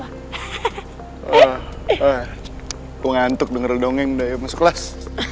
wah wah gue ngantuk denger dongeng udah yuk masuk kelas